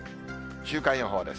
週間予報です。